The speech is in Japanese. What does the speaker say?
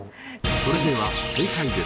それでは正解です。